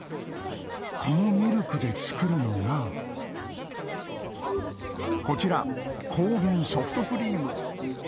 このミルクで作るのがこちら高原ソフトクリーム